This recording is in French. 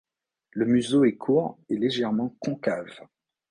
Le museau est court et légèrement concave.